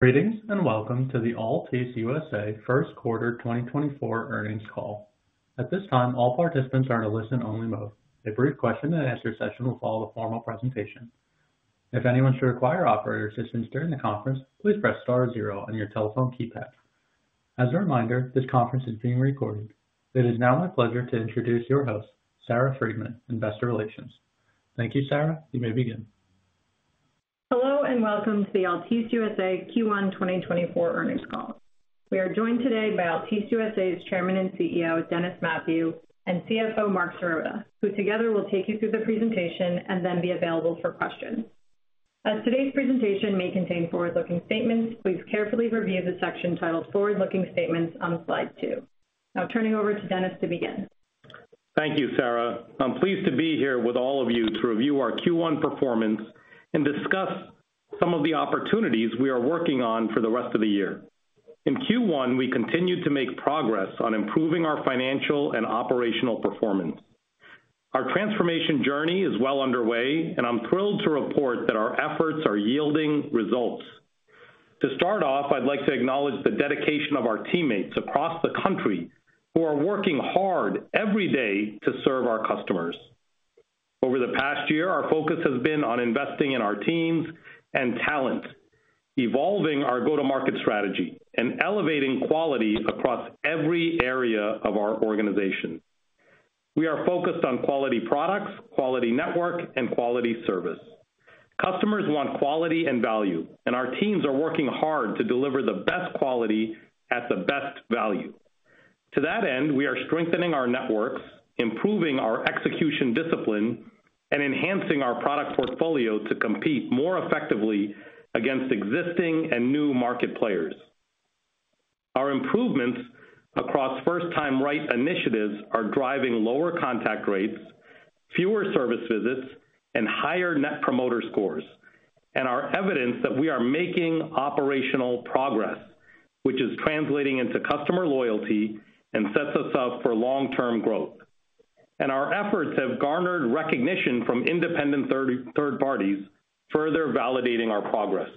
Greetings, and welcome to the Altice USA First Quarter 2024 earnings call. At this time, all participants are in a listen-only mode. A brief question-and-answer session will follow the formal presentation. If anyone should require operator assistance during the conference, please press star zero on your telephone keypad. As a reminder, this conference is being recorded. It is now my pleasure to introduce your host, Sarah Freedman, Investor Relations. Thank you, Sarah. You may begin. Hello, and welcome to the Altice USA Q1 2024 earnings call. We are joined today by Altice USA's Chairman and CEO, Dennis Mathew, and CFO, Marc Sirota, who together will take you through the presentation and then be available for questions. As today's presentation may contain forward-looking statements, please carefully review the section titled Forward-Looking Statements on slide two. Now turning over to Dennis to begin. Thank you, Sarah. I'm pleased to be here with all of you to review our Q1 performance and discuss some of the opportunities we are working on for the rest of the year. In Q1, we continued to make progress on improving our financial and operational performance. Our transformation journey is well underway, and I'm thrilled to report that our efforts are yielding results. To start off, I'd like to acknowledge the dedication of our teammates across the country who are working hard every day to serve our customers. Over the past year, our focus has been on investing in our teams and talent, evolving our go-to-market strategy, and elevating quality across every area of our organization. We are focused on quality products, quality network, and quality service. Customers want quality and value, and our teams are working hard to deliver the best quality at the best value. To that end, we are strengthening our networks, improving our execution discipline, and enhancing our product portfolio to compete more effectively against existing and new market players. Our improvements across first-time right initiatives are driving lower contact rates, fewer service visits, and higher Net Promoter Scores, and are evidence that we are making operational progress, which is translating into customer loyalty and sets us up for long-term growth. Our efforts have garnered recognition from independent third parties, further validating our progress.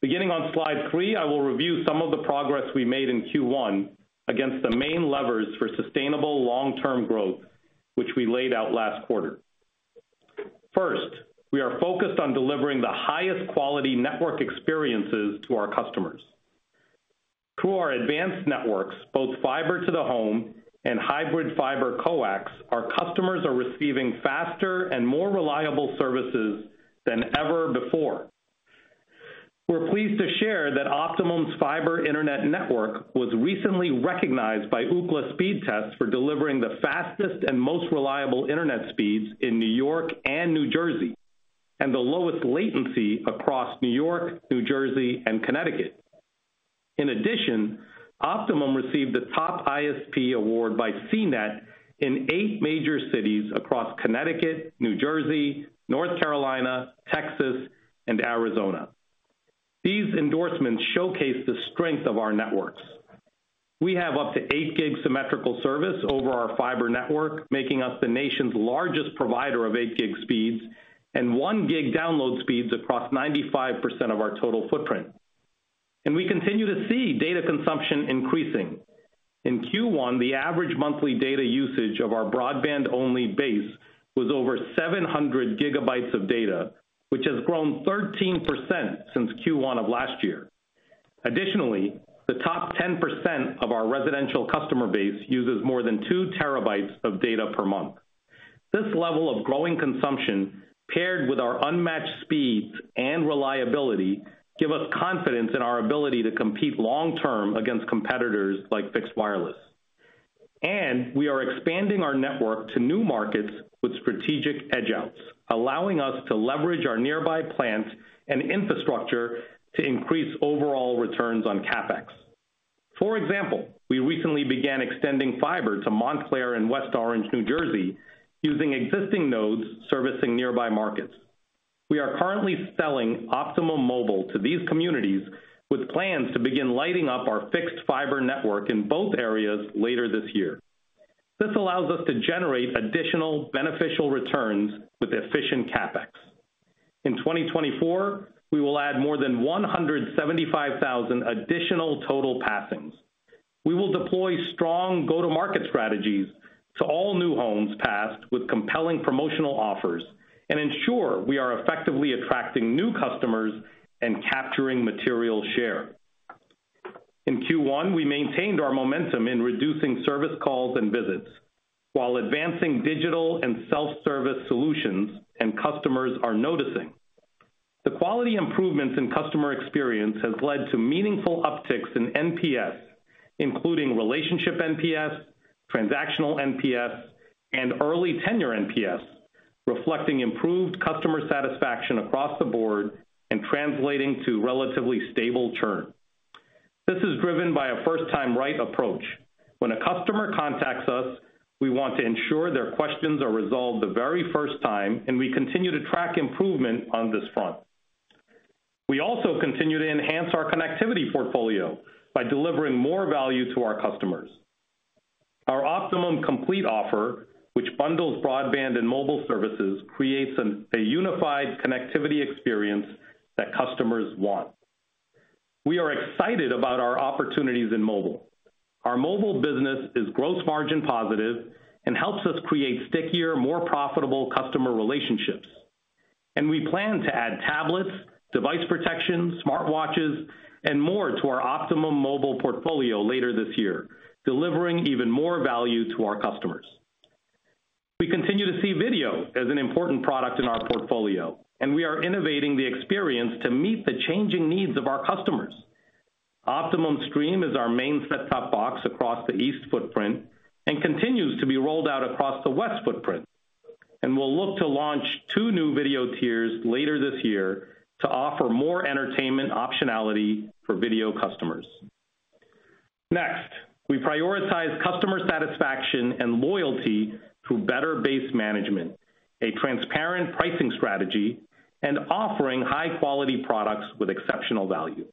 Beginning on slide 3, I will review some of the progress we made in Q1 against the main levers for sustainable long-term growth, which we laid out last quarter. First, we are focused on delivering the highest quality network experiences to our customers. Through our advanced networks, both fiber to the home and hybrid fiber coax, our customers are receiving faster and more reliable services than ever before. We're pleased to share that Optimum's fiber internet network was recently recognized by Ookla Speedtest for delivering the fastest and most reliable internet speeds in New York and New Jersey, and the lowest latency across New York, New Jersey, and Connecticut. In addition, Optimum received the top ISP award by CNET in 8 major cities across Connecticut, New Jersey, North Carolina, Texas, and Arizona. These endorsements showcase the strength of our networks. We have up to 8 gig symmetrical service over our fiber network, making us the nation's largest provider of 8 gig speeds and 1 gig download speeds across 95% of our total footprint. We continue to see data consumption increasing. In Q1, the average monthly data usage of our broadband-only base was over 700 GB of data, which has grown 13% since Q1 of last year. Additionally, the top 10% of our residential customer base uses more than 2 TB of data per month. This level of growing consumption, paired with our unmatched speeds and reliability, give us confidence in our ability to compete long term against competitors like fixed wireless. And we are expanding our network to new markets with strategic edge outs, allowing us to leverage our nearby plants and infrastructure to increase overall returns on CapEx. For example, we recently began extending fiber to Montclair and West Orange, New Jersey, using existing nodes servicing nearby markets. We are currently selling Optimum Mobile to these communities, with plans to begin lighting up our fixed fiber network in both areas later this year. This allows us to generate additional beneficial returns with efficient CapEx. In 2024, we will add more than 175,000 additional total passings. We will deploy strong go-to-market strategies to all new homes passed with compelling promotional offers and ensure we are effectively attracting new customers and capturing material share. In Q1, we maintained our momentum in reducing service calls and visits while advancing digital and self-service solutions, and customers are noticing. The quality improvements in customer experience has led to meaningful upticks in NPS, including relationship NPS, transactional NPS, and early tenure NPS, reflecting improved customer satisfaction across the board and translating to relatively stable churn. This is driven by a first-time right approach. When a customer contacts us, we want to ensure their questions are resolved the very first time, and we continue to track improvement on this front. We also continue to enhance our connectivity portfolio by delivering more value to our customers. Optimum Complete offer, which bundles broadband and mobile services, creates a unified connectivity experience that customers want. We are excited about our opportunities in mobile. Our mobile business is gross margin positive and helps us create stickier, more profitable customer relationships. And we plan to add tablets, device protection, smartwatches, and more to our Optimum Mobile portfolio later this year, delivering even more value to our customers. We continue to see video as an important product in our portfolio, and we are innovating the experience to meet the changing needs of our customers. Optimum Stream is our main set-top box across the East footprint and continues to be rolled out across the West footprint, and we'll look to launch two new video tiers later this year to offer more entertainment optionality for video customers. Next, we prioritize customer satisfaction and loyalty through better base management, a transparent pricing strategy, and offering high-quality products with exceptional value.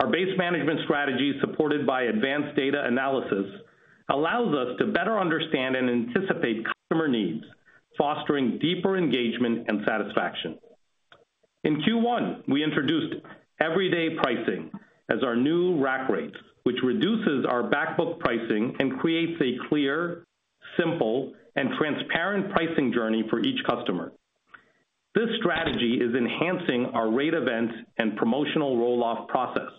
Our base management strategy, supported by advanced data analysis, allows us to better understand and anticipate customer needs, fostering deeper engagement and satisfaction. In Q1, we introduced Everyday Pricing as our new rack rates, which reduces our back book pricing and creates a clear, simple, and transparent pricing journey for each customer. This strategy is enhancing our rate events and promotional roll-off process,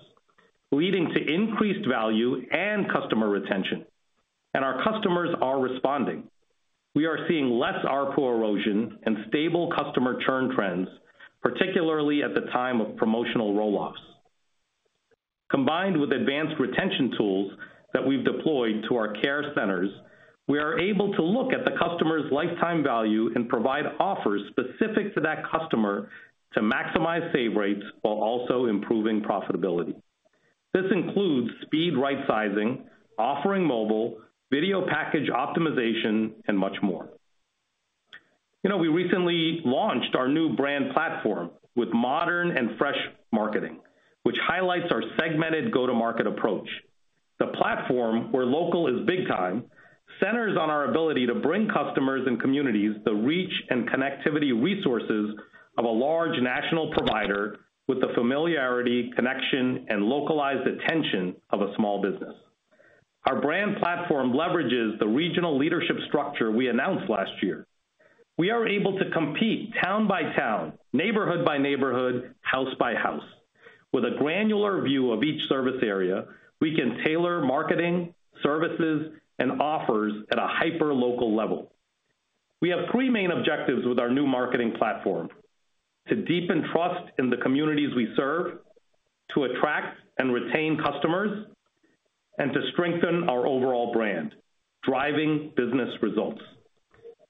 leading to increased value and customer retention, and our customers are responding. We are seeing less ARPU erosion and stable customer churn trends, particularly at the time of promotional roll-offs. Combined with advanced retention tools that we've deployed to our care centers, we are able to look at the customer's lifetime value and provide offers specific to that customer to maximize save rates while also improving profitability. This includes speed rightsizing, offering mobile, video package optimization, and much more. You know, we recently launched our new brand platform with modern and fresh marketing, which highlights our segmented go-to-market approach. The platform, Where Local Is Big Time, centers on our ability to bring customers and communities the reach and connectivity resources of a large national provider with the familiarity, connection, and localized attention of a small business. Our brand platform leverages the regional leadership structure we announced last year. We are able to compete town by town, neighborhood by neighborhood, house by house. With a granular view of each service area, we can tailor marketing, services, and offers at a hyper-local level. We have three main objectives with our new marketing platform: to deepen trust in the communities we serve, to attract and retain customers, and to strengthen our overall brand, driving business results.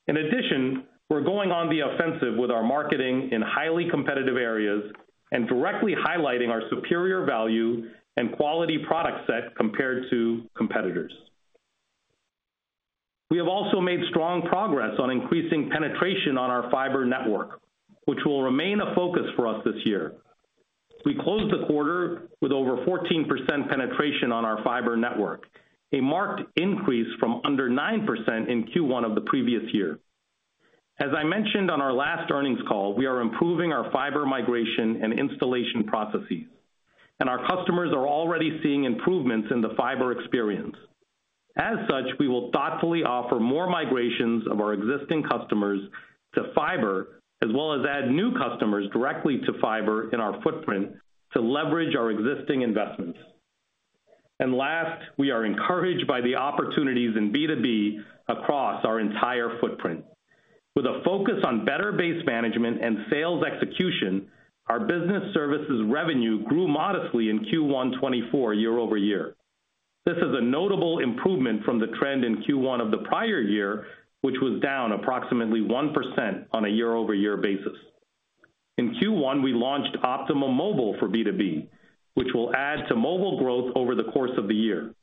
In addition, we're going on the offensive with our marketing in highly competitive areas and directly highlighting our superior value and quality product set compared to competitors. We have also made strong progress on increasing penetration on our fiber network, which will remain a focus for us this year. We closed the quarter with over 14% penetration on our fiber network, a marked increase from under 9% in Q1 of the previous year. As I mentioned on our last earnings call, we are improving our fiber migration and installation processes, and our customers are already seeing improvements in the fiber experience. As such, we will thoughtfully offer more migrations of our existing customers to fiber, as well as add new customers directly to fiber in our footprint to leverage our existing investments. And last, we are encouraged by the opportunities in B2B across our entire footprint. With a focus on better base management and sales execution, our business services revenue grew modestly in Q1 2024, year-over-year. This is a notable improvement from the trend in Q1 of the prior year, which was down approximately 1% on a year-over-year basis. In Q1, we launched Optimum Mobile for B2B, which will add to mobile growth over the course of the year.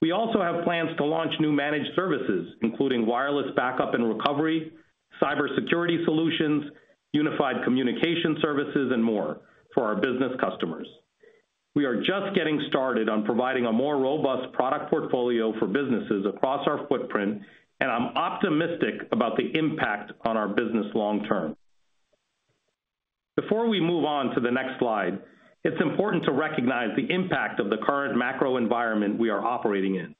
We also have plans to launch new managed services, including wireless backup and recovery, cybersecurity solutions, unified communication services, and more for our business customers. We are just getting started on providing a more robust product portfolio for businesses across our footprint, and I'm optimistic about the impact on our business long term. Before we move on to the next slide, it's important to recognize the impact of the current macro environment we are operating in.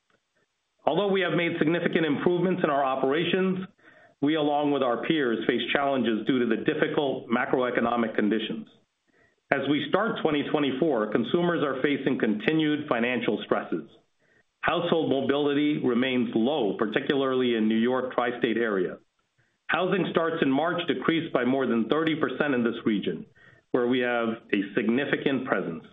Although we have made significant improvements in our operations, we, along with our peers, face challenges due to the difficult macroeconomic conditions. As we start 2024, consumers are facing continued financial stresses. Household mobility remains low, particularly in New York Tri-State area. Housing starts in March decreased by more than 30% in this region, where we have a significant presence.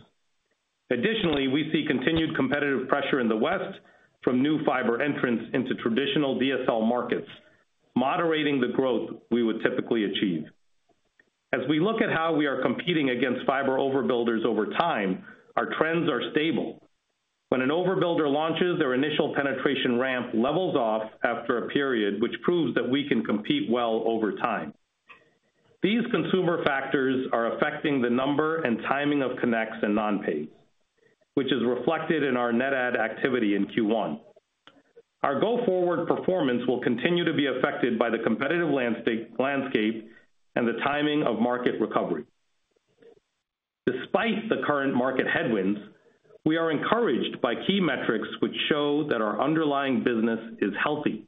Additionally, we see continued competitive pressure in the West from new fiber entrants into traditional DSL markets, moderating the growth we would typically achieve. As we look at how we are competing against fiber overbuilders over time, our trends are stable. When an overbuilder launches, their initial penetration ramp levels off after a period, which proves that we can compete well over time. These consumer factors are affecting the number and timing of connects and non-pays, which is reflected in our net add activity in Q1. Our go-forward performance will continue to be affected by the competitive landscape and the timing of market recovery. Despite the current market headwinds, we are encouraged by key metrics which show that our underlying business is healthy.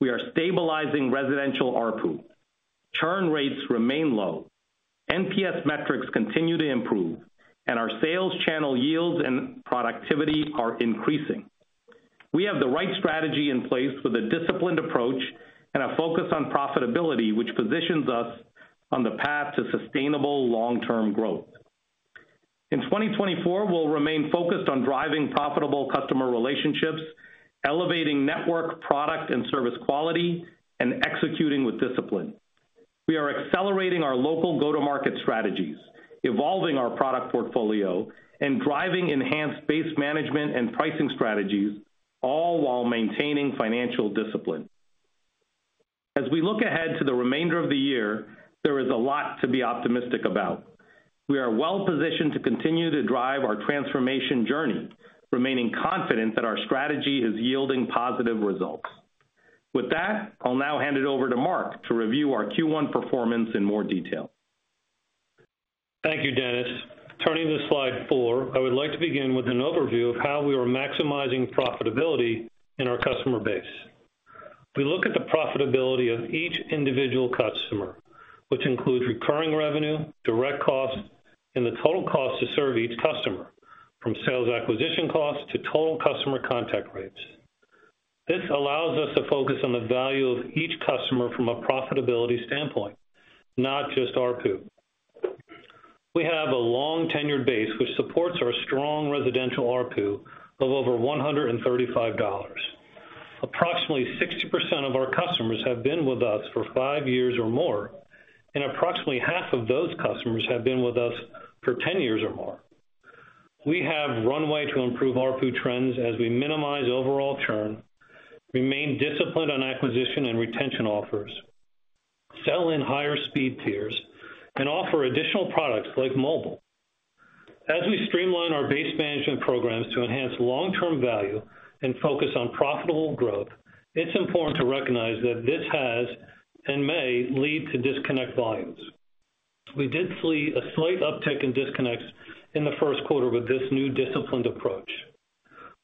We are stabilizing residential ARPU. Churn rates remain low, NPS metrics continue to improve, and our sales channel yields and productivity are increasing. We have the right strategy in place with a disciplined approach and a focus on profitability, which positions us on the path to sustainable long-term growth. In 2024, we'll remain focused on driving profitable customer relationships, elevating network, product, and service quality, and executing with discipline. We are accelerating our local go-to-market strategies, evolving our product portfolio, and driving enhanced base management and pricing strategies, all while maintaining financial discipline. As we look ahead to the remainder of the year, there is a lot to be optimistic about. We are well positioned to continue to drive our transformation journey, remaining confident that our strategy is yielding positive results. With that, I'll now hand it over to Marc to review our Q1 performance in more detail. Thank you, Dennis. Turning to slide four, I would like to begin with an overview of how we are maximizing profitability in our customer base. We look at the profitability of each individual customer, which includes recurring revenue, direct costs, and the total cost to serve each customer, from sales acquisition costs to total customer contact rates. This allows us to focus on the value of each customer from a profitability standpoint, not just ARPU. We have a long tenured base, which supports our strong residential ARPU of over $135. Approximately 60% of our customers have been with us for 5 years or more, and approximately half of those customers have been with us for 10 years or more. We have runway to improve ARPU trends as we minimize overall churn, remain disciplined on acquisition and retention offers, sell in higher speed tiers, and offer additional products like mobile. As we streamline our base management programs to enhance long-term value and focus on profitable growth, it's important to recognize that this has and may lead to disconnect volumes. We did see a slight uptick in disconnects in the first quarter with this new disciplined approach.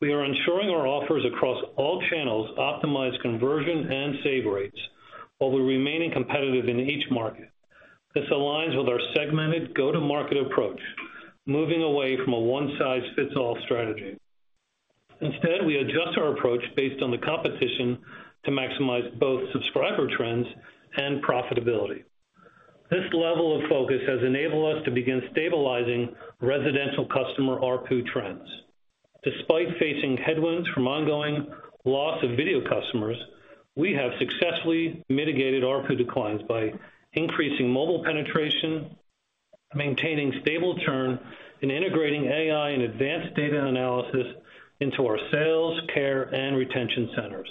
We are ensuring our offers across all channels optimize conversion and save rates while remaining competitive in each market. This aligns with our segmented go-to-market approach, moving away from a one-size-fits-all strategy. Instead, we adjust our approach based on the competition to maximize both subscriber trends and profitability. This level of focus has enabled us to begin stabilizing residential customer ARPU trends. Despite facing headwinds from ongoing loss of video customers, we have successfully mitigated ARPU declines by increasing mobile penetration, maintaining stable churn, and integrating AI and advanced data analysis into our sales, care, and retention centers.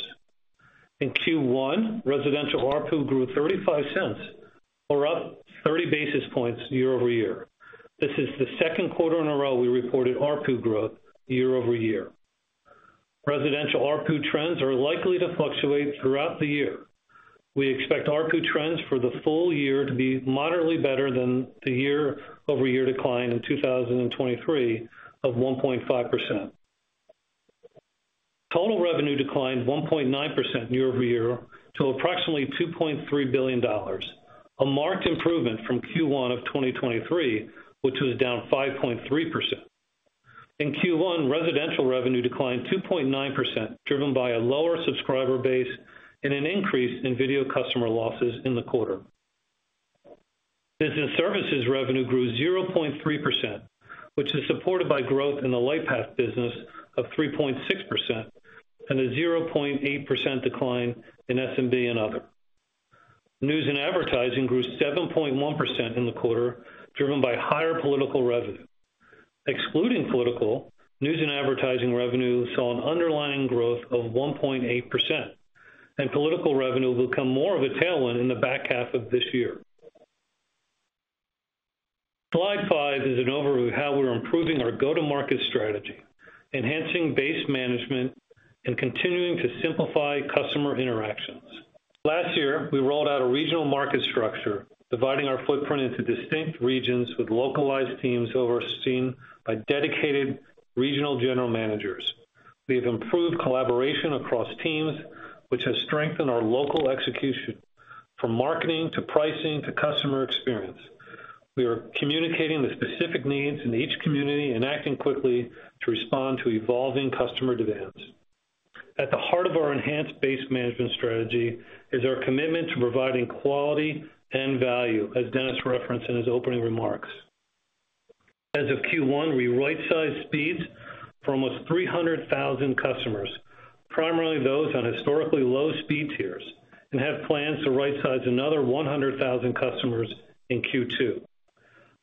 In Q1, residential ARPU grew $0.35, or up 30 basis points year-over-year. This is the second quarter in a row we reported ARPU growth year-over-year. Residential ARPU trends are likely to fluctuate throughout the year. We expect ARPU trends for the full year to be moderately better than the year-over-year decline in 2023 of 1.5%. Total revenue declined 1.9% year-over-year to approximately $2.3 billion, a marked improvement from Q1 of 2023, which was down 5.3%. In Q1, residential revenue declined 2.9%, driven by a lower subscriber base and an increase in video customer losses in the quarter. Business services revenue grew 0.3%, which is supported by growth in the Lightpath business of 3.6% and a 0.8% decline in SMB and other. News and advertising grew 7.1% in the quarter, driven by higher political revenue. Excluding political, news and advertising revenue saw an underlying growth of 1.8%, and political revenue will become more of a tailwind in the back half of this year. Slide 5 is an overview of how we're improving our go-to-market strategy, enhancing base management, and continuing to simplify customer interactions. Last year, we rolled out a regional market structure, dividing our footprint into distinct regions with localized teams overseen by dedicated regional general managers. We have improved collaboration across teams, which has strengthened our local execution, from marketing to pricing to customer experience. We are communicating the specific needs in each community and acting quickly to respond to evolving customer demands. At the heart of our enhanced base management strategy is our commitment to providing quality and value, as Dennis referenced in his opening remarks. As of Q1, we right-sized speeds for almost 300,000 customers, primarily those on historically low speed tiers, and have plans to rightsize another 100,000 customers in Q2.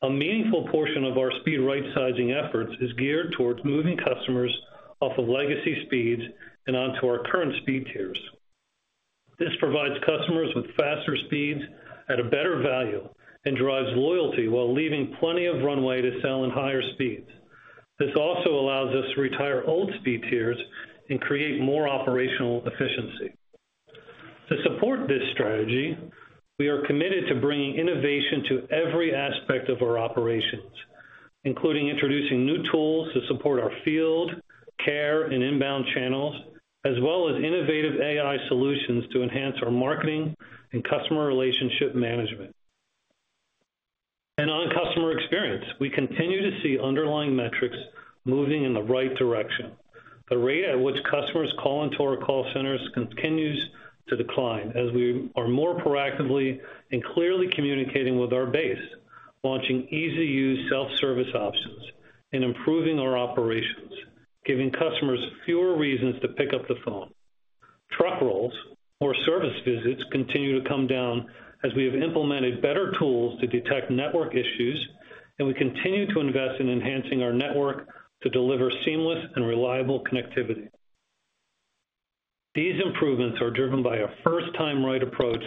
A meaningful portion of our speed rightsizing efforts is geared towards moving customers off of legacy speeds and onto our current speed tiers. This provides customers with faster speeds at a better value and drives loyalty while leaving plenty of runway to sell in higher speeds. This also allows us to retire old speed tiers and create more operational efficiency. To support this strategy, we are committed to bringing innovation to every aspect of our operations, including introducing new tools to support our field, care, and inbound channels, as well as innovative AI solutions to enhance our marketing and customer relationship management. On customer experience, we continue to see underlying metrics moving in the right direction. The rate at which customers call into our call centers continues to decline as we are more proactively and clearly communicating with our base, launching easy-to-use self-service options, and improving our operations, giving customers fewer reasons to pick up the phone. Truck rolls or service visits continue to come down as we have implemented better tools to detect network issues, and we continue to invest in enhancing our network to deliver seamless and reliable connectivity. These improvements are driven by a first-time right approach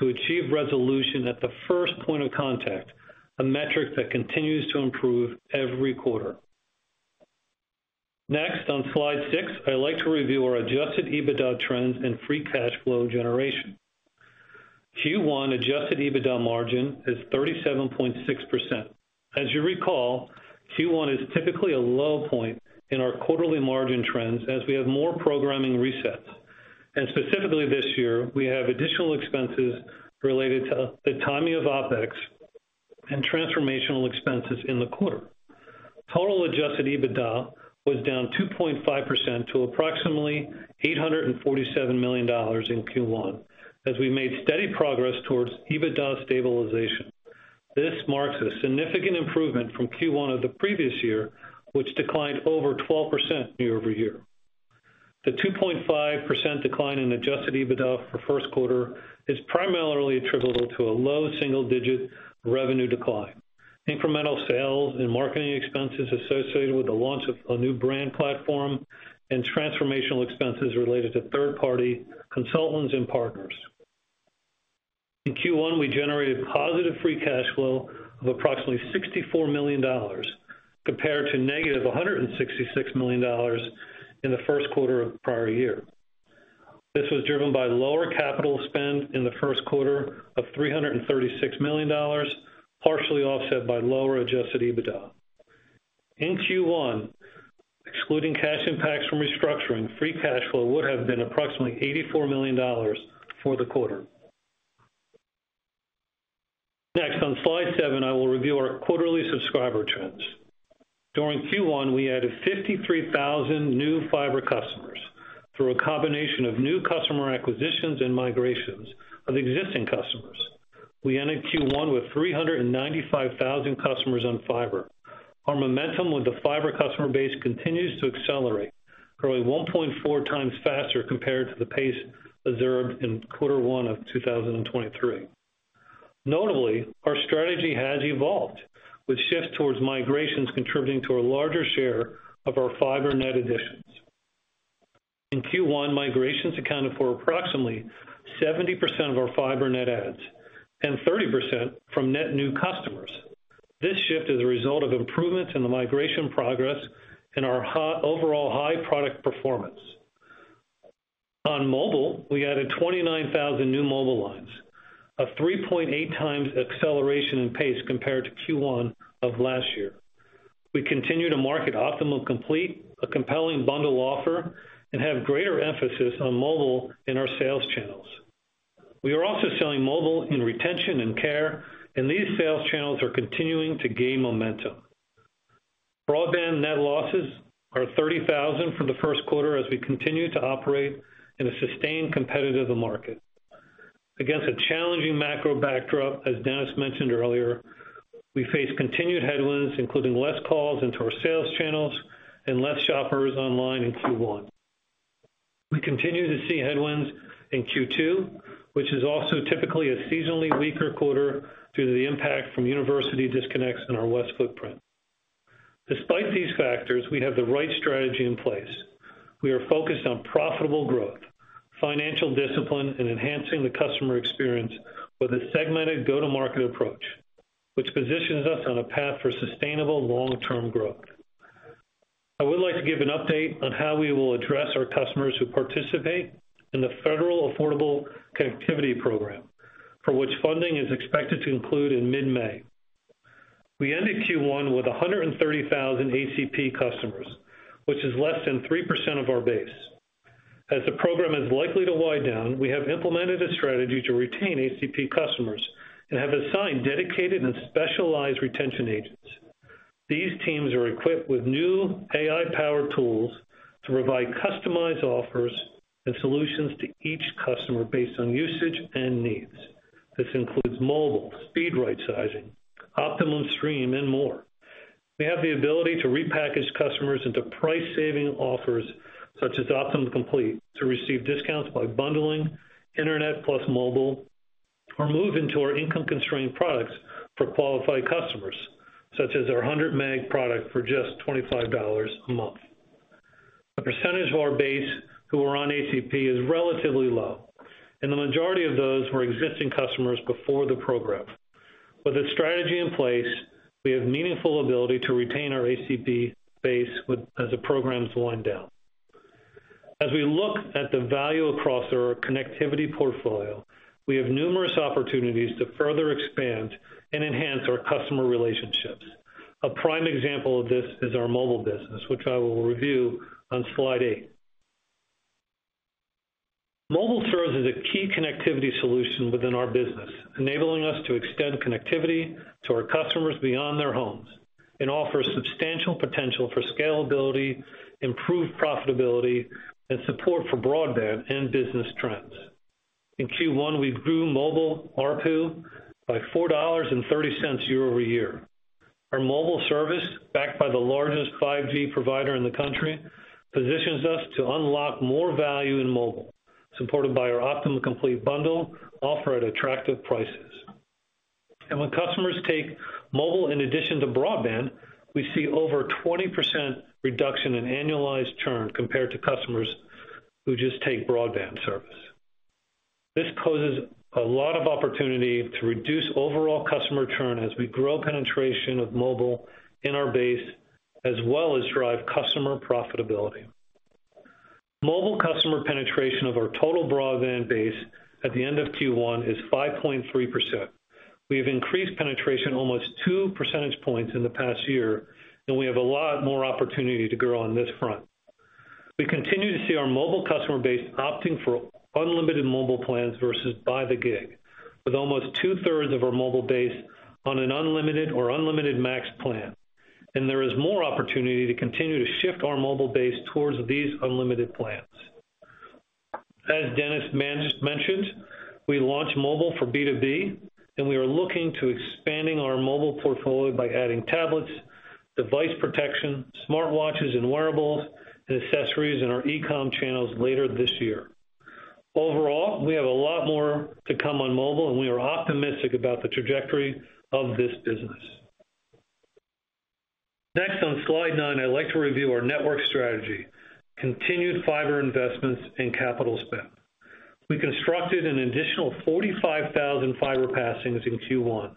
to achieve resolution at the first point of contact, a metric that continues to improve every quarter. Next, on slide 6, I'd like to review our Adjusted EBITDA trends and Free Cash Flow generation. Q1 Adjusted EBITDA margin is 37.6%. As you recall, Q1 is typically a low point in our quarterly margin trends as we have more programming resets. Specifically this year, we have additional expenses related to the timing of OpEx and transformational expenses in the quarter. Total Adjusted EBITDA was down 2.5% to approximately $847 million in Q1, as we made steady progress towards EBITDA stabilization. This marks a significant improvement from Q1 of the previous year, which declined over 12% year-over-year. The 2.5% decline in adjusted EBITDA for first quarter is primarily attributable to a low single-digit revenue decline, incremental sales and marketing expenses associated with the launch of a new brand platform, and transformational expenses related to third-party consultants and partners. In Q1, we generated positive free cash flow of approximately $64 million, compared to -$166 million in the first quarter of the prior year. This was driven by lower capital spend in the first quarter of $336 million, partially offset by lower adjusted EBITDA. In Q1, excluding cash impacts from restructuring, free cash flow would have been approximately $84 million for the quarter. Next, on slide 7, I will review our quarterly subscriber trends. During Q1, we added 53,000 new fiber customers through a combination of new customer acquisitions and migrations of existing customers. We ended Q1 with 395,000 customers on fiber. Our momentum with the fiber customer base continues to accelerate, growing 1.4 times faster compared to the pace observed in quarter one of 2023. Notably, our strategy has evolved, with shifts towards migrations contributing to a larger share of our fiber net additions. In Q1, migrations accounted for approximately 70% of our fiber net adds and 30% from net new customers. This shift is a result of improvements in the migration progress and our overall high product performance. On mobile, we added 29,000 new mobile lines, a 3.8 times acceleration in pace compared to Q1 of last year. We continue to market Optimum Complete, a compelling bundle offer, and have greater emphasis on mobile in our sales channels. We are also selling mobile in retention and care, and these sales channels are continuing to gain momentum. Broadband net losses are 30,000 from the first quarter as we continue to operate in a sustained competitive market. Against a challenging macro backdrop, as Dennis mentioned earlier, we face continued headwinds, including less calls into our sales channels and less shoppers online in Q1. We continue to see headwinds in Q2, which is also typically a seasonally weaker quarter due to the impact from university disconnects in our West footprint. Despite these factors, we have the right strategy in place. We are focused on profitable growth, financial discipline, and enhancing the customer experience with a segmented go-to-market approach, which positions us on a path for sustainable long-term growth. I would like to give an update on how we will address our customers who participate in the Federal Affordable Connectivity Program, for which funding is expected to include in mid-May. We ended Q1 with 130,000 ACP customers, which is less than 3% of our base. As the program is likely to wind down, we have implemented a strategy to retain ACP customers and have assigned dedicated and specialized retention agents. These teams are equipped with new AI-powered tools to provide customized offers and solutions to each customer based on usage and needs. This includes mobile, speed rightsizing, Optimum Stream, and more. We have the ability to repackage customers into price-saving offers, such as Optimum Complete, to receive discounts by bundling internet plus mobile, or move into our income-constrained products for qualified customers, such as our 100 meg product for just $25 a month. The percentage of our base who are on ACP is relatively low, and the majority of those were existing customers before the program. With this strategy in place, we have meaningful ability to retain our ACP base with as the program's wind down. As we look at the value across our connectivity portfolio, we have numerous opportunities to further expand and enhance our customer relationships. A prime example of this is our mobile business, which I will review on slide 8. Mobile serves as a key connectivity solution within our business, enabling us to extend connectivity to our customers beyond their homes and offer substantial potential for scalability, improved profitability, and support for broadband and business trends. In Q1, we grew mobile ARPU by $4.30 year-over-year. Our mobile service, backed by the largest 5G provider in the country, positions us to unlock more value in mobile, supported by our Optimum Complete bundle, offered at attractive prices. When customers take mobile in addition to broadband, we see over 20% reduction in annualized churn compared to customers who just take broadband service. This poses a lot of opportunity to reduce overall customer churn as we grow penetration of mobile in our base, as well as drive customer profitability. Mobile customer penetration of our total broadband base at the end of Q1 is 5.3%. We have increased penetration almost 2 percentage points in the past year, and we have a lot more opportunity to grow on this front. We continue to see our mobile customer base opting for unlimited mobile plans versus By the Gig, with almost two-thirds of our mobile base on an Unlimited or Unlimited Max plan, and there is more opportunity to continue to shift our mobile base towards these unlimited plans. As Dennis Mathew just mentioned, we launched mobile for B2B, and we are looking to expanding our mobile portfolio by adding tablets, device protection, smartwatches and wearables, and accessories in our e-com channels later this year. Overall, we have a lot more to come on mobile, and we are optimistic about the trajectory of this business. Next, on slide 9, I'd like to review our network strategy, continued fiber investments, and capital spend. We constructed an additional 45,000 fiber passings in Q1,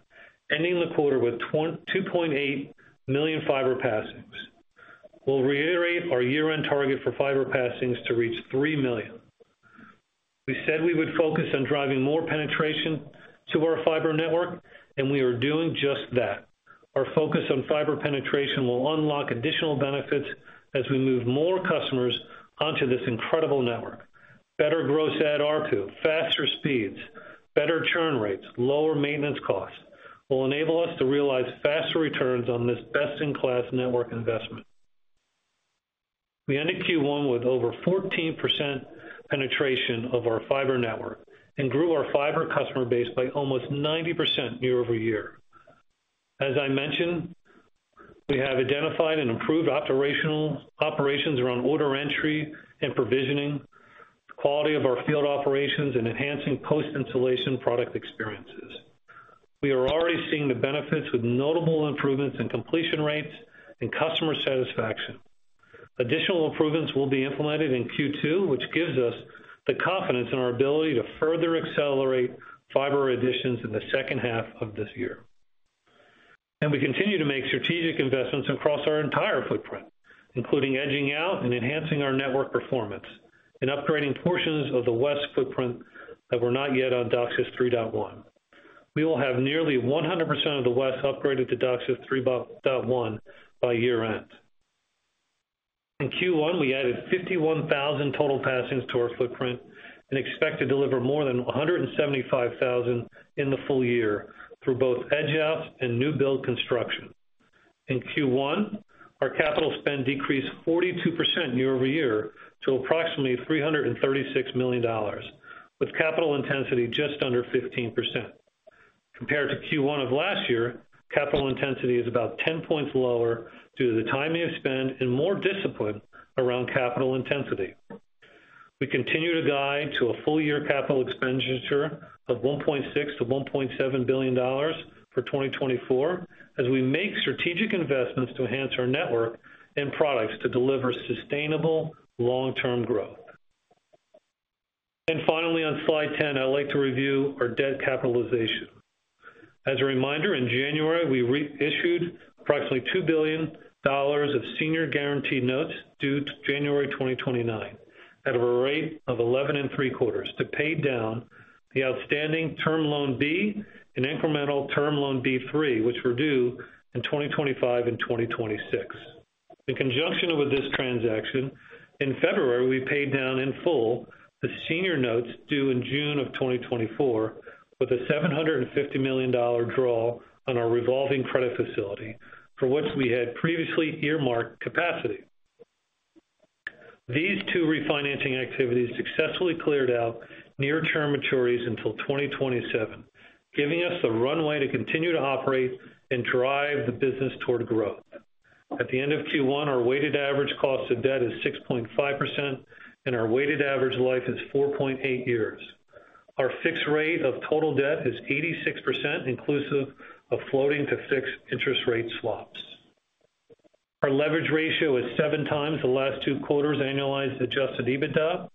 ending the quarter with 22.8 million fiber passings. We'll reiterate our year-end target for fiber passings to reach 3 million. We said we would focus on driving more penetration to our fiber network, and we are doing just that. Our focus on fiber penetration will unlock additional benefits as we move more customers onto this incredible network. Better gross add ARPU, faster speeds, better churn rates, lower maintenance costs will enable us to realize faster returns on this best-in-class network investment. We ended Q1 with over 14% penetration of our fiber network and grew our fiber customer base by almost 90% year-over-year. As I mentioned, we have identified and improved operations around order entry and provisioning, the quality of our field operations, and enhancing post-installation product experiences. We are already seeing the benefits with notable improvements in completion rates and customer satisfaction. Additional improvements will be implemented in Q2, which gives us the confidence in our ability to further accelerate fiber additions in the second half of this year. We continue to make strategic investments across our entire footprint, including edging out and enhancing our network performance and upgrading portions of the West footprint that were not yet on DOCSIS 3.1. We will have nearly 100% of the West upgraded to DOCSIS 3.1 by year-end. In Q1, we added 51,000 total passings to our footprint and expect to deliver more than 175,000 in the full year through both edge out and new build construction. In Q1, our capital spend decreased 42% year-over-year to approximately $336 million, with capital intensity just under 15%. Compared to Q1 of last year, capital intensity is about 10 points lower due to the timing of spend and more discipline around capital intensity. We continue to guide to a full-year capital expenditure of $1.6 billion-$1.7 billion for 2024 as we make strategic investments to enhance our network and products to deliver sustainable long-term growth. Finally, on slide 10, I'd like to review our debt capitalization. As a reminder, in January, we reissued approximately $2 billion of senior guaranteed notes due in January 2029, at a rate of 11.75, to pay down the outstanding Term Loan B and incremental Term Loan B3, which were due in 2025 and 2026. In conjunction with this transaction, in February, we paid down in full the senior notes due in June of 2024, with a $750 million draw on our revolving credit facility, for which we had previously earmarked capacity.... These two refinancing activities successfully cleared out near-term maturities until 2027, giving us the runway to continue to operate and drive the business toward growth. At the end of Q1, our weighted average cost of debt is 6.5%, and our weighted average life is 4.8 years. Our fixed rate of total debt is 86%, inclusive of floating to fixed interest rate swaps. Our leverage ratio is 7x the last two quarters, annualized Adjusted EBITDA.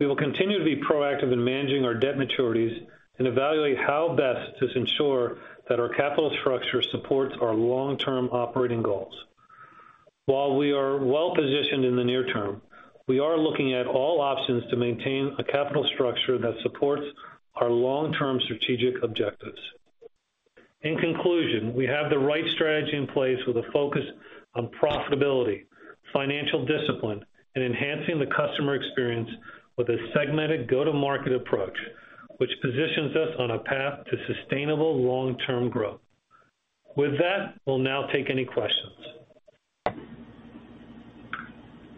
We will continue to be proactive in managing our debt maturities and evaluate how best to ensure that our capital structure supports our long-term operating goals. While we are well-positioned in the near term, we are looking at all options to maintain a capital structure that supports our long-term strategic objectives. In conclusion, we have the right strategy in place with a focus on profitability, financial discipline, and enhancing the customer experience with a segmented go-to-market approach, which positions us on a path to sustainable long-term growth. With that, we'll now take any questions.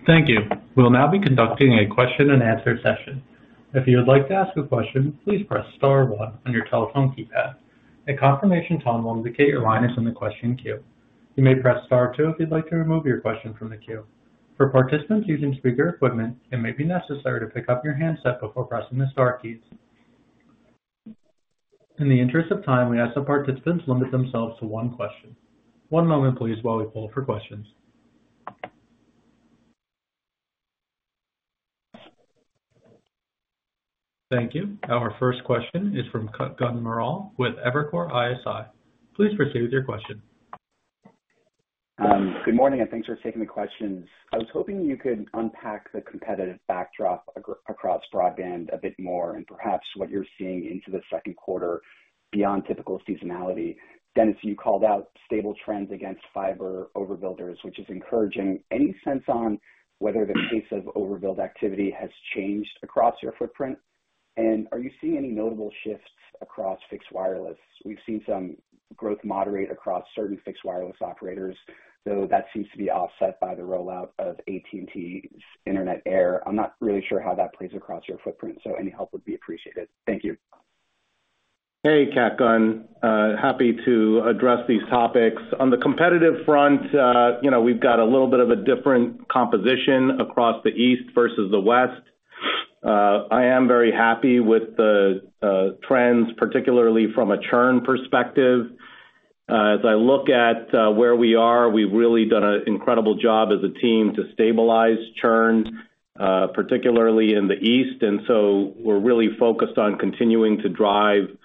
Thank you. We'll now be conducting a question-and-answer session. If you would like to ask a question, please press star one on your telephone keypad. A confirmation tone will indicate your line is in the question queue. You may press star two if you'd like to remove your question from the queue. For participants using speaker equipment, it may be necessary to pick up your handset before pressing the star keys. In the interest of time, we ask that participants limit themselves to one question. One moment, please, while we pull for questions. Thank you. Our first question is from Kutgun Maral with Evercore ISI. Please proceed with your question. Good morning, and thanks for taking the questions. I was hoping you could unpack the competitive backdrop across broadband a bit more, and perhaps what you're seeing into the second quarter beyond typical seasonality. Dennis, you called out stable trends against fiber overbuilders, which is encouraging. Any sense on whether the pace of overbuild activity has changed across your footprint? And are you seeing any notable shifts across fixed wireless? We've seen some growth moderate across certain fixed wireless operators, though that seems to be offset by the rollout of AT&T Internet Air. I'm not really sure how that plays across your footprint, so any help would be appreciated. Thank you. Hey, Kutgun. Happy to address these topics. On the competitive front, you know, we've got a little bit of a different composition across the East versus the West. I am very happy with the trends, particularly from a churn perspective. As I look at where we are, we've really done an incredible job as a team to stabilize churn, particularly in the East, and so we're really focused on continuing to drive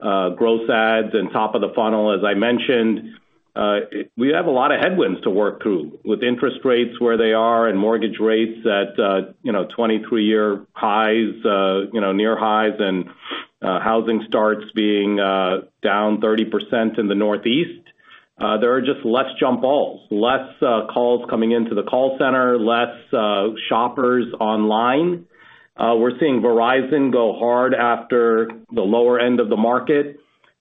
growth adds and top of the funnel. As I mentioned, we have a lot of headwinds to work through with interest rates where they are and mortgage rates at, you know, 23-year highs, you know, near highs, and housing starts being down 30% in the Northeast. There are just less jump balls, less calls coming into the call center, less shoppers online. We're seeing Verizon go hard after the lower end of the market,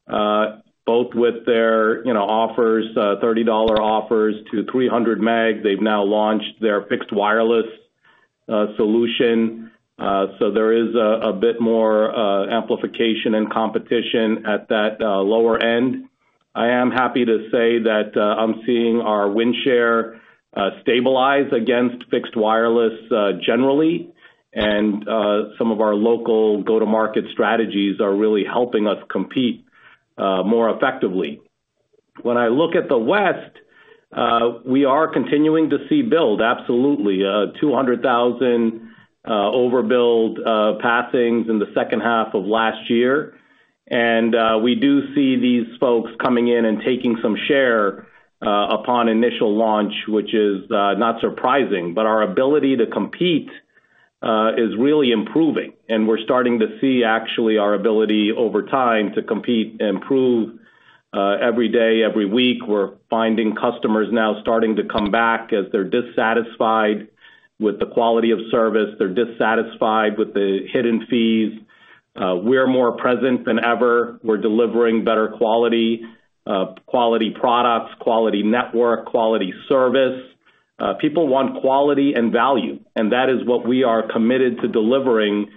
both with their, you know, offers, $30 offers to 300 meg. They've now launched their fixed wireless solution, so there is a bit more amplification and competition at that lower end. I am happy to say that, I'm seeing our win share stabilize against fixed wireless generally, and some of our local go-to-market strategies are really helping us compete more effectively. When I look at the West, we are continuing to see build, absolutely, 200,000 overbuild passings in the second half of last year. We do see these folks coming in and taking some share upon initial launch, which is not surprising. But our ability to compete is really improving, and we're starting to see actually our ability over time to compete and improve. Every day, every week, we're finding customers now starting to come back as they're dissatisfied with the quality of service, they're dissatisfied with the hidden fees. We're more present than ever. We're delivering better quality, quality products, quality network, quality service. People want quality and value, and that is what we are committed to delivering,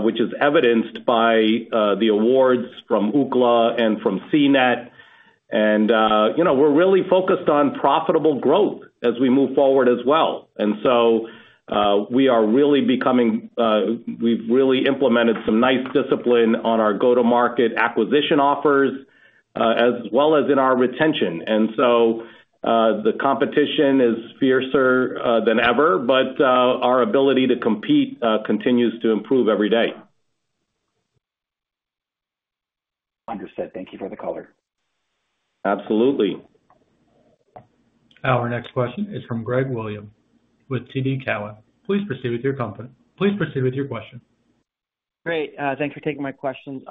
which is evidenced by the awards from Ookla and from CNET. You know, we're really focused on profitable growth as we move forward as well. And so, we are really becoming. We've really implemented some nice discipline on our go-to-market acquisition offers, as well as in our retention. And so, the competition is fiercer than ever, but our ability to compete continues to improve every day. Understood. Thank you for the color. Absolutely. Our next question is from Greg Williams with TD Cowen. Please proceed with your question. Great, thanks for taking my question.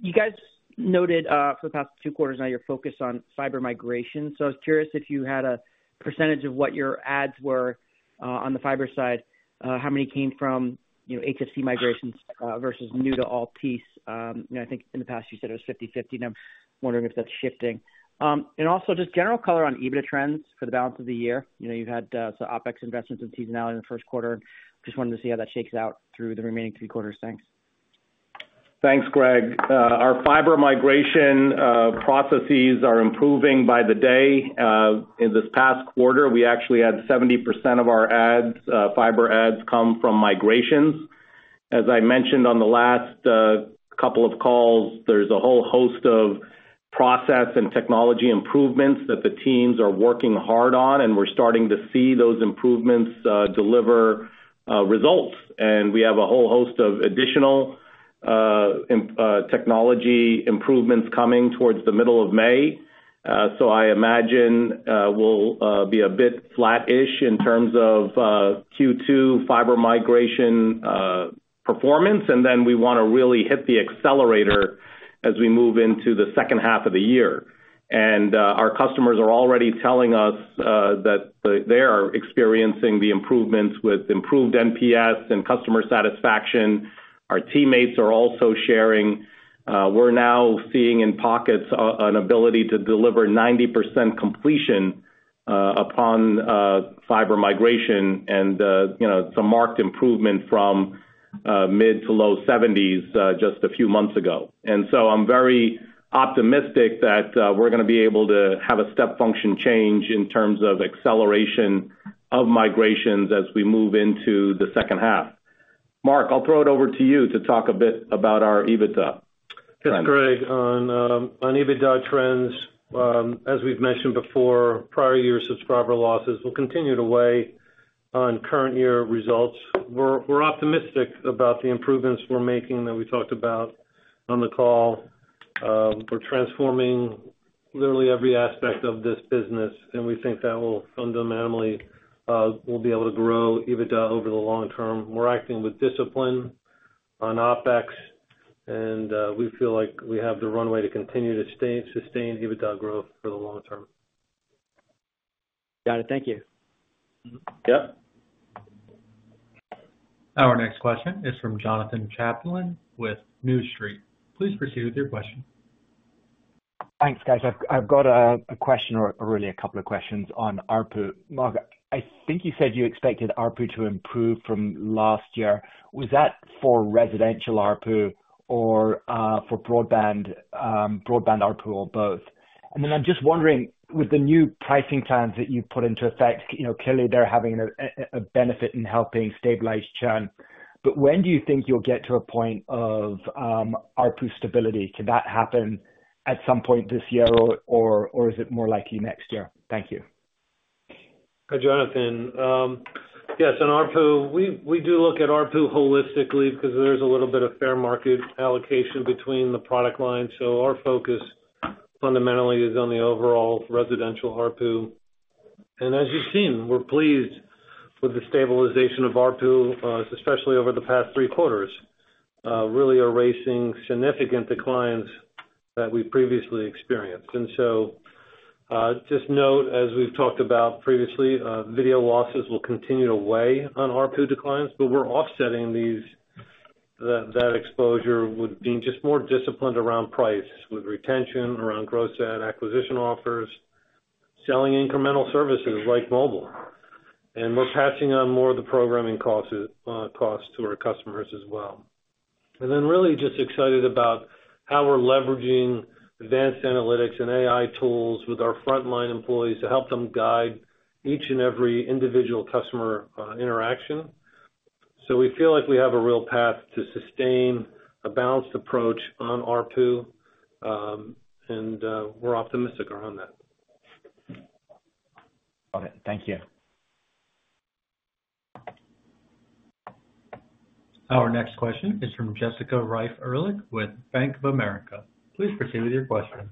You guys noted, for the past two quarters now, your focus on fiber migration. So I was curious if you had a percentage of what your adds were, on the fiber side, how many came from, you know, HFC migrations, versus new to Altice? You know, I think in the past, you said it was 50/50, and I'm wondering if that's shifting. And also, just general color on EBITDA trends for the balance of the year. You know, you've had some OpEx investments and seasonality in the first quarter. Just wanted to see how that shakes out through the remaining three quarters. Thanks.... Thanks, Greg. Our fiber migration processes are improving by the day. In this past quarter, we actually had 70% of our adds, fiber adds, come from migrations. As I mentioned on the last couple of calls, there's a whole host of process and technology improvements that the teams are working hard on, and we're starting to see those improvements deliver results. And we have a whole host of additional technology improvements coming towards the middle of May. So I imagine we'll be a bit flattish in terms of Q2 fiber migration performance, and then we wanna really hit the accelerator as we move into the second half of the year. And our customers are already telling us that they are experiencing the improvements with improved NPS and customer satisfaction. Our teammates are also sharing. We're now seeing in pockets an ability to deliver 90% completion upon fiber migration, and you know, it's a marked improvement from mid- to low 70s just a few months ago. So I'm very optimistic that we're gonna be able to have a step function change in terms of acceleration of migrations as we move into the second half. Marc, I'll throw it over to you to talk a bit about our EBITDA. Yes, Greg, on EBITDA trends, as we've mentioned before, prior year subscriber losses will continue to weigh on current year results. We're optimistic about the improvements we're making that we talked about on the call. We're transforming literally every aspect of this business, and we think that will fundamentally we'll be able to grow EBITDA over the long term. We're acting with discipline on OpEx, and we feel like we have the runway to continue to sustain EBITDA growth for the long term. Got it. Thank you. Mm-hmm. Yep. Our next question is from Jonathan Chaplin with New Street. Please proceed with your question. Thanks, guys. I've got a question, or really a couple of questions on ARPU. Marc, I think you said you expected ARPU to improve from last year. Was that for residential ARPU or for broadband, broadband ARPU, or both? And then I'm just wondering, with the new pricing plans that you've put into effect, you know, clearly they're having a benefit in helping stabilize churn. But when do you think you'll get to a point of ARPU stability? Could that happen at some point this year, or is it more likely next year? Thank you. Hi, Jonathan. Yes, on ARPU, we do look at ARPU holistically because there's a little bit of fair market allocation between the product lines, so our focus fundamentally is on the overall residential ARPU. As you've seen, we're pleased with the stabilization of ARPU, especially over the past three quarters, really erasing significant declines that we previously experienced. So, just note, as we've talked about previously, video losses will continue to weigh on ARPU declines, but we're offsetting that exposure with being just more disciplined around price, with retention, around gross add acquisition offers, selling incremental services like mobile. We're passing on more of the programming costs, costs to our customers as well. And then really just excited about how we're leveraging advanced analytics and AI tools with our frontline employees to help them guide each and every individual customer interaction. So we feel like we have a real path to sustain a balanced approach on ARPU, and we're optimistic around that. Got it. Thank you. Our next question is from Jessica Reif Ehrlich with Bank of America. Please proceed with your question.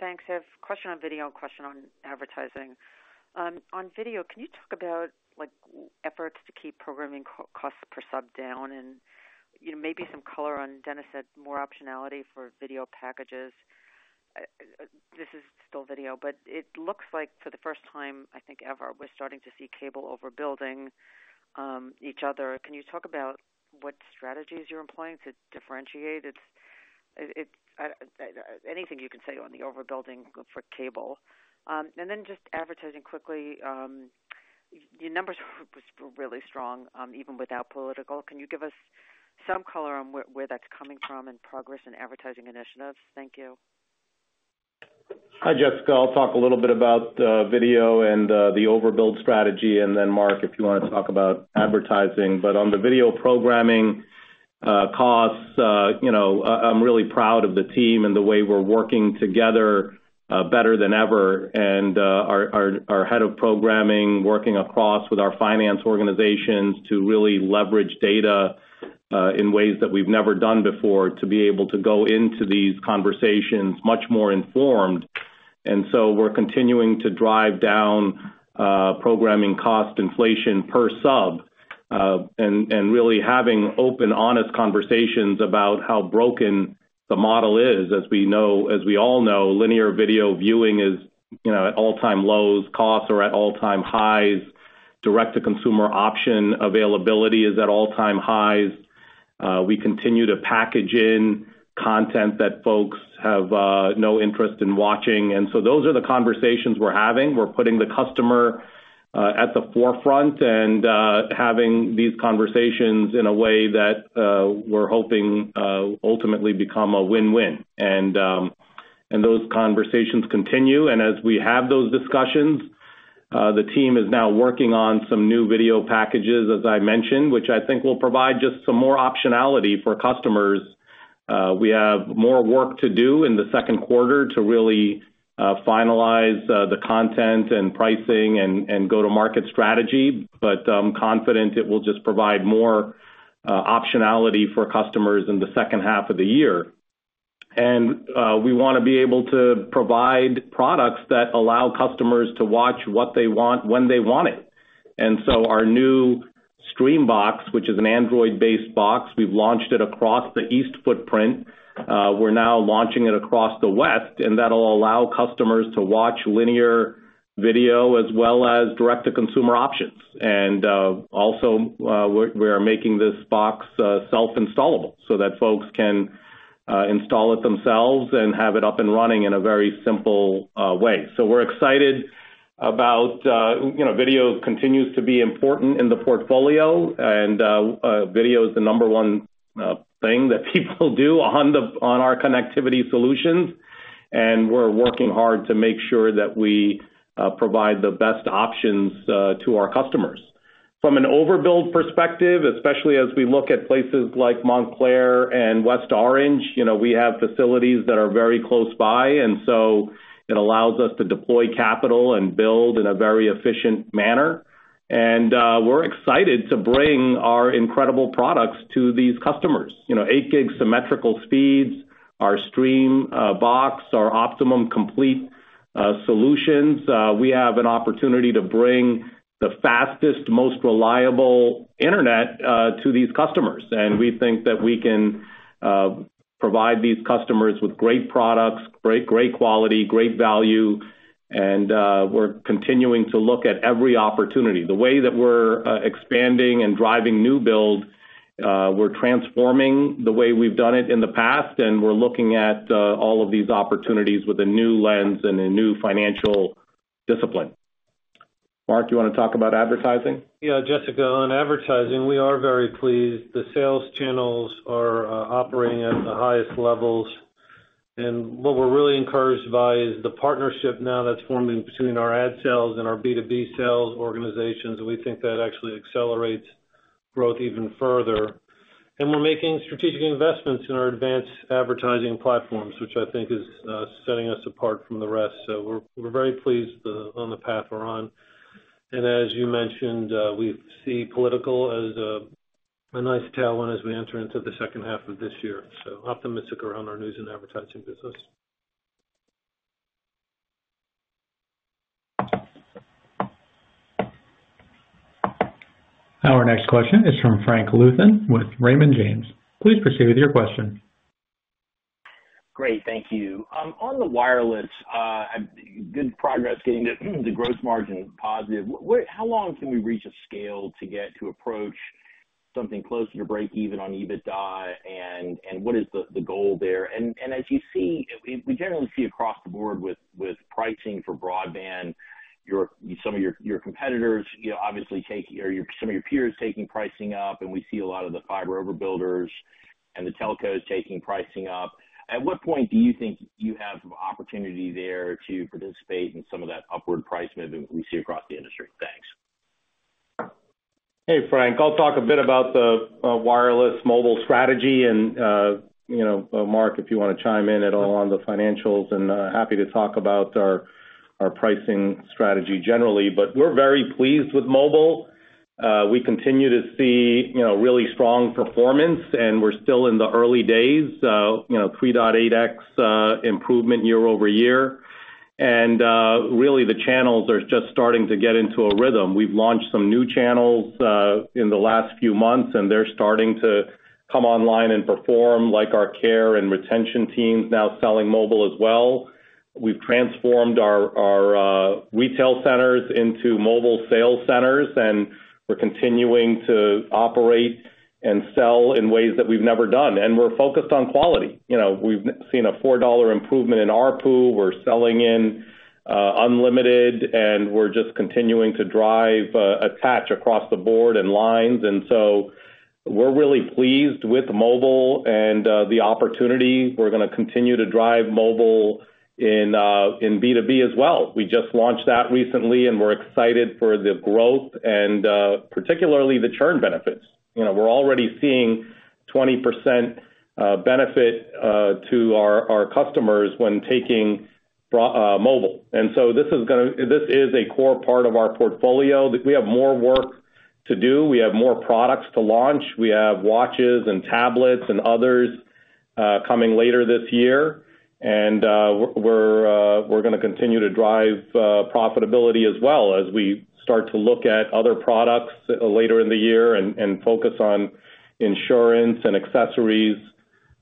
Thanks. I have a question on video and a question on advertising. On video, can you talk about, like, efforts to keep programming costs per sub down and, you know, maybe some color on, Dennis said, more optionality for video packages? This is still video, but it looks like for the first time, I think ever, we're starting to see cable overbuilding each other. Can you talk about what strategies you're employing to differentiate it? It, anything you can say on the overbuilding for cable. And then just advertising quickly. Your numbers were really strong, even without political. Can you give us some color on where that's coming from and progress in advertising initiatives? Thank you. Hi, Jessica. I'll talk a little bit about video and the overbuild strategy, and then Marc, if you want to talk about advertising. But on the video programming costs, you know, I'm really proud of the team and the way we're working together better than ever. And our head of programming, working across with our finance organizations to really leverage data in ways that we've never done before, to be able to go into these conversations much more informed. And so we're continuing to drive down programming cost inflation per sub, and really having open, honest conversations about how broken the model is. As we know, as we all know, linear video viewing is, you know, at all-time lows. Costs are at all-time highs. Direct-to-consumer option availability is at all-time highs. We continue to package in content that folks have no interest in watching. And so those are the conversations we're having. We're putting the customer at the forefront and having these conversations in a way that we're hoping ultimately become a win-win. And those conversations continue, and as we have those discussions, the team is now working on some new video packages, as I mentioned, which I think will provide just some more optionality for customers. We have more work to do in the second quarter to really finalize the content and pricing and go-to-market strategy, but I'm confident it will just provide more optionality for customers in the second half of the year. And we wanna be able to provide products that allow customers to watch what they want, when they want it. And so our new Optimum Stream, which is an Android-based box, we've launched it across the East footprint. We're now launching it across the West, and that'll allow customers to watch linear video, as well as direct-to-consumer options. And also, we're making this box self-installable, so that folks can install it themselves and have it up and running in a very simple way. So we're excited about. You know, video continues to be important in the portfolio, and video is the number one thing that people do on our connectivity solutions, and we're working hard to make sure that we provide the best options to our customers. From an overbuild perspective, especially as we look at places like Montclair and West Orange, you know, we have facilities that are very close by, and so it allows us to deploy capital and build in a very efficient manner. We're excited to bring our incredible products to these customers. You know, 8 gig symmetrical speeds, our Stream Box, our Optimum Complete solutions. We have an opportunity to bring the fastest, most reliable internet to these customers. We think that we can provide these customers with great products, great, great quality, great value, and we're continuing to look at every opportunity. The way that we're expanding and driving new build, we're transforming the way we've done it in the past, and we're looking at all of these opportunities with a new lens and a new financial discipline. Marc, you wanna talk about advertising? Yeah, Jessica, on advertising, we are very pleased. The sales channels are operating at the highest levels, and what we're really encouraged by is the partnership now that's forming between our ad sales and our B2B sales organizations. We think that actually accelerates growth even further. And we're making strategic investments in our advanced advertising platforms, which I think is setting us apart from the rest. So we're very pleased on the path we're on. And as you mentioned, we see political as a nice tailwind as we enter into the second half of this year. So optimistic around our news and advertising business. Our next question is from Frank Louthan with Raymond James. Please proceed with your question. Great, thank you. On the wireless, good progress getting the gross margin positive. How long can we reach a scale to get to approach something closer to breakeven on EBITDA? And what is the goal there? And as you see, we generally see across the board with pricing for broadband, some of your competitors, you know, obviously taking, or some of your peers taking pricing up, and we see a lot of the fiber overbuilders and the telcos taking pricing up. At what point do you think you have opportunity there to participate in some of that upward price movement we see across the industry? Thanks. Hey, Frank. I'll talk a bit about the wireless mobile strategy, and, you know, Marc, if you wanna chime in at all on the financials, and happy to talk about our, our pricing strategy generally. But we're very pleased with mobile. We continue to see, you know, really strong performance, and we're still in the early days. You know, 3.8x improvement year-over-year. And really, the channels are just starting to get into a rhythm. We've launched some new channels in the last few months, and they're starting to come online and perform, like our care and retention teams now selling mobile as well. We've transformed our, our retail centers into mobile sales centers, and we're continuing to operate and sell in ways that we've never done. And we're focused on quality. You know, we've seen a $4 improvement in ARPU. We're selling in unlimited, and we're just continuing to drive attach across the board and lines. And so we're really pleased with mobile and the opportunity. We're gonna continue to drive mobile in in B2B as well. We just launched that recently, and we're excited for the growth and particularly the churn benefits. You know, we're already seeing 20% benefit to our our customers when taking mobile. And so this is gonna, this is a core part of our portfolio. We have more work to do. We have more products to launch. We have watches and tablets and others coming later this year. We're gonna continue to drive profitability as well as we start to look at other products later in the year and focus on insurance and accessories.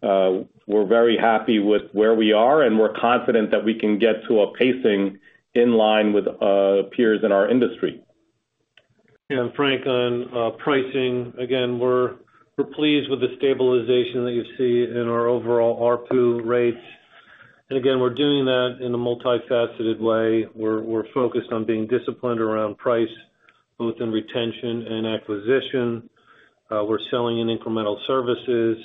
We're very happy with where we are, and we're confident that we can get to a pacing in line with peers in our industry. And Frank, on pricing, again, we're pleased with the stabilization that you see in our overall ARPU rates. And again, we're doing that in a multifaceted way. We're focused on being disciplined around price, both in retention and acquisition. We're selling in incremental services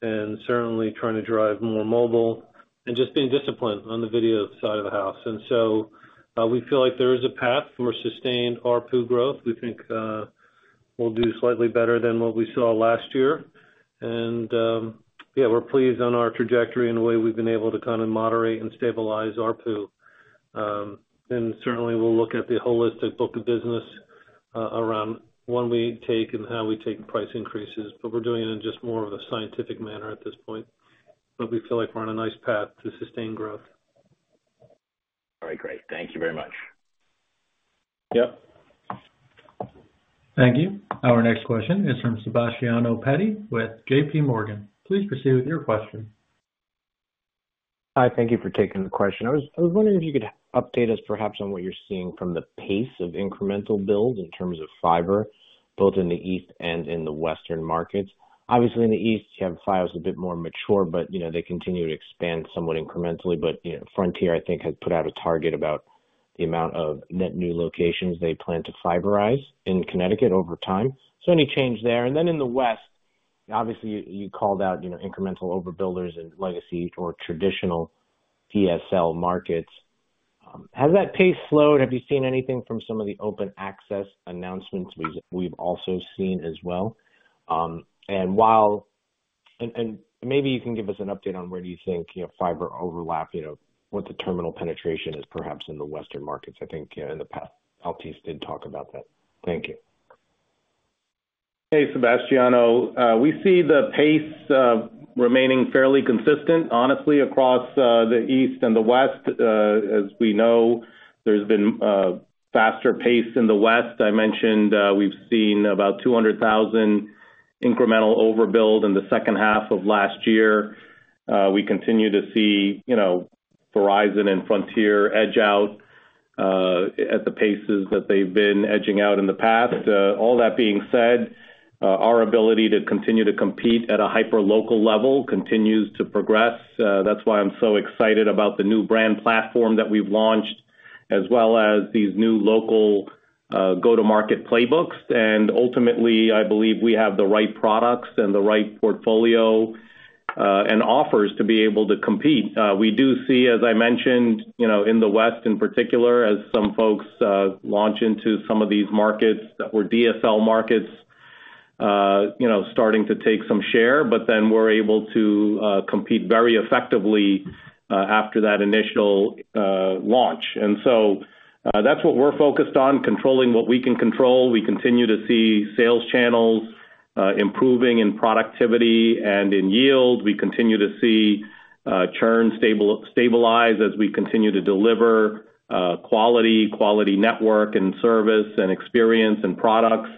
and certainly trying to drive more mobile and just being disciplined on the video side of the house. And so, we feel like there is a path for sustained ARPU growth. We think, we'll do slightly better than what we saw last year. And, yeah, we're pleased on our trajectory and the way we've been able to kind of moderate and stabilize ARPU. And certainly, we'll look at the holistic book of business, around when we take and how we take price increases, but we're doing it in just more of a scientific manner at this point. But we feel like we're on a nice path to sustain growth. All right, great. Thank you very much. Yep. Thank you. Our next question is from Sebastiano Petti with J.P. Morgan. Please proceed with your question. Hi, thank you for taking the question. I was wondering if you could update us, perhaps, on what you're seeing from the pace of incremental build in terms of fiber, both in the East and in the Western markets. Obviously, in the East, you have fiber a bit more mature, but, you know, they continue to expand somewhat incrementally. But, you know, Frontier, I think, has put out a target about the amount of net new locations they plan to fiberize in Connecticut over time. So any change there? And then in the West, obviously, you called out, you know, incremental overbuilders and legacy or traditional DSL markets. Has that pace slowed? Have you seen anything from some of the open access announcements we've also seen as well? Maybe you can give us an update on where do you think, you know, fiber overlap, you know, what the terminal penetration is perhaps in the Western markets. I think, in the past, Altice did talk about that. Thank you. Hey, Sebastiano. We see the pace remaining fairly consistent, honestly, across the East and the West. As we know, there's been faster pace in the West. I mentioned we've seen about 200,000 incremental overbuild in the second half of last year. We continue to see, you know, Verizon and Frontier edge out at the paces that they've been edging out in the past. All that being said, our ability to continue to compete at a hyperlocal level continues to progress. That's why I'm so excited about the new brand platform that we've launched, as well as these new local go-to-market playbooks. And ultimately, I believe we have the right products and the right portfolio and offers to be able to compete. We do see, as I mentioned, you know, in the West in particular, as some folks launch into some of these markets that were DSL markets, you know, starting to take some share, but then we're able to compete very effectively after that initial launch. And so, that's what we're focused on, controlling what we can control. We continue to see sales channels improving in productivity and in yield. We continue to see churn stabilize as we continue to deliver quality network and service and experience and products.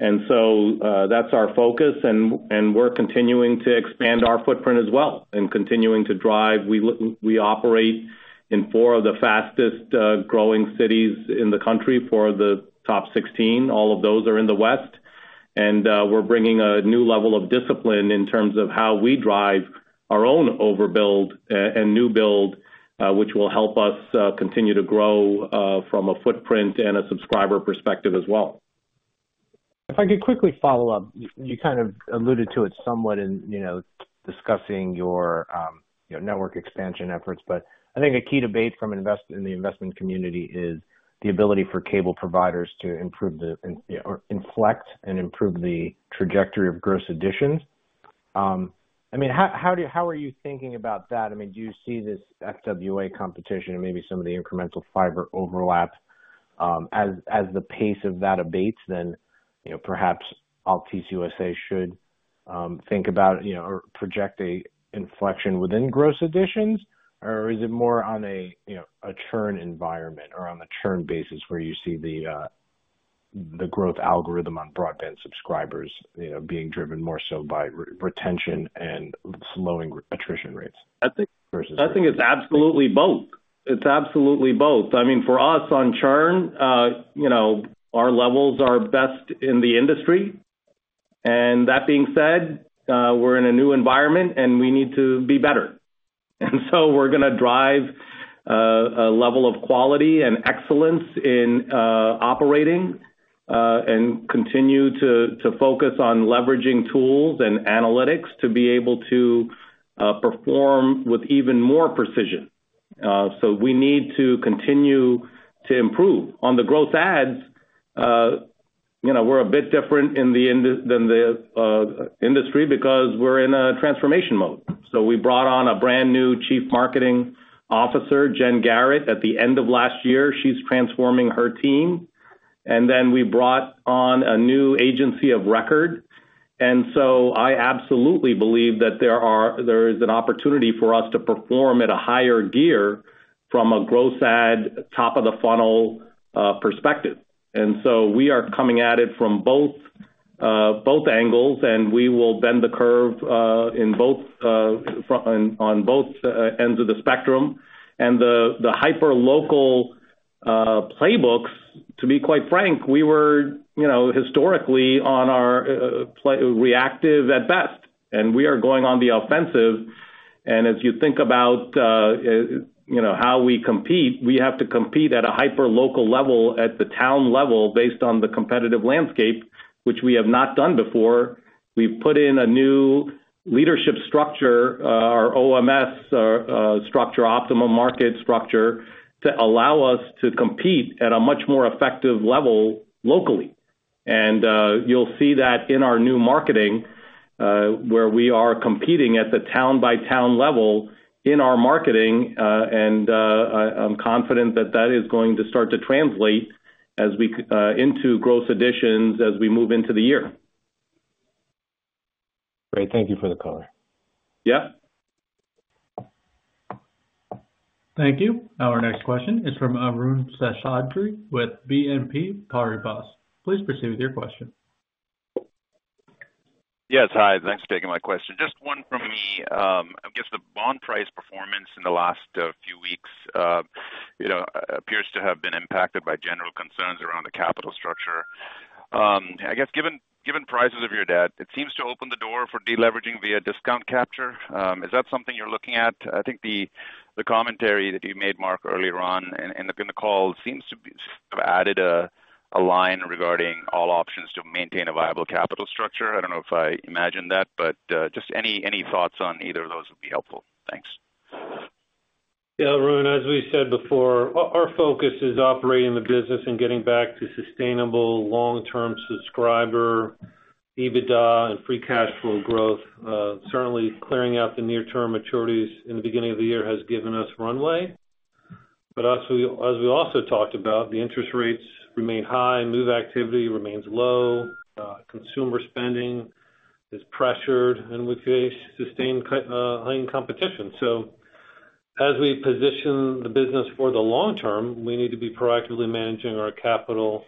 And so, that's our focus, and we're continuing to expand our footprint as well and continuing to drive. We operate in four of the fastest growing cities in the country for the top 16. All of those are in the West. We're bringing a new level of discipline in terms of how we drive our own overbuild and new build, which will help us continue to grow from a footprint and a subscriber perspective as well. If I could quickly follow up, you, you kind of alluded to it somewhat in, you know, discussing your, your network expansion efforts. But I think a key debate from investors in the investment community is the ability for cable providers to improve the, or inflect and improve the trajectory of gross additions. I mean, how, how do you—how are you thinking about that? I mean, do you see this FWA competition and maybe some of the incremental fiber overlap, as, as the pace of that abates, then, you know, perhaps Altice USA should, think about, you know, or project an inflection within gross additions? Or is it more on a, you know, a churn environment or on a churn basis where you see the growth algorithm on broadband subscribers, you know, being driven more so by retention and slowing attrition rates? I think, I think it's absolutely both. It's absolutely both. I mean, for us on churn, you know, our levels are best in the industry. And that being said, we're in a new environment, and we need to be better. And so we're gonna drive a level of quality and excellence in operating and continue to focus on leveraging tools and analytics to be able to perform with even more precision. So we need to continue to improve. On the growth adds, you know, we're a bit different than the industry because we're in a transformation mode. So we brought on a brand new Chief Marketing Officer, Jen Garrett, at the end of last year. She's transforming her team. And then we brought on a new agency of record. And so I absolutely believe that there is an opportunity for us to perform at a higher gear from a growth and top of the funnel perspective. And so we are coming at it from both angles, and we will bend the curve in both fronts, on both ends of the spectrum. And the hyperlocal playbooks, to be quite frank, we were, you know, historically on our playbook reactive at best, and we are going on the offensive. And as you think about, you know, how we compete, we have to compete at a hyperlocal level, at the town level, based on the competitive landscape, which we have not done before. We've put in a new leadership structure, our OMS, structure, optimal market structure, to allow us to compete at a much more effective level locally. And you'll see that in our new marketing, where we are competing at the town-by-town level in our marketing, and I'm confident that that is going to start to translate into gross additions as we move into the year. Great. Thank you for the color. Yeah. Thank you. Our next question is from Arun Seshadri with BNP Paribas. Please proceed with your question. Yes. Hi, thanks for taking my question. Just one from me. I guess the bond price performance in the last few weeks, you know, appears to have been impacted by general concerns around the capital structure. I guess, given prices of your debt, it seems to open the door for deleveraging via discount capture. Is that something you're looking at? I think the commentary that you made, Marc, earlier on in the call seems to have added a line regarding all options to maintain a viable capital structure. I don't know if I imagined that, but just any thoughts on either of those would be helpful. Thanks. Yeah, Arun, as we said before, our focus is operating the business and getting back to sustainable long-term subscriber, EBITDA, and free cash flow growth. Certainly, clearing out the near-term maturities in the beginning of the year has given us runway. But also, as we also talked about, the interest rates remain high, move activity remains low, consumer spending is pressured, and we face sustained cut, high competition. So as we position the business for the long term, we need to be proactively managing our capital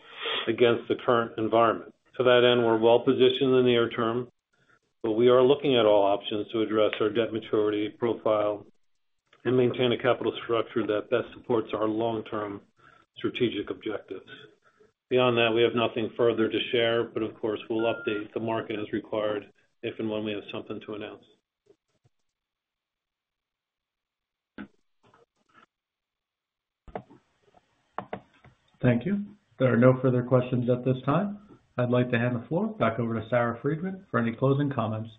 against the current environment. To that end, we're well positioned in the near term, but we are looking at all options to address our debt maturity profile and maintain a capital structure that best supports our long-term strategic objectives. Beyond that, we have nothing further to share, but of course, we'll update the market as required if and when we have something to announce. Thank you. There are no further questions at this time. I'd like to hand the floor back over to Sarah Freedman for any closing comments.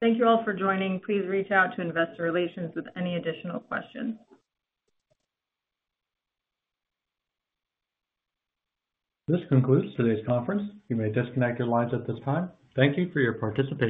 Thank you all for joining. Please reach out to Investor Relations with any additional questions. This concludes today's conference. You may disconnect your lines at this time. Thank you for your participation.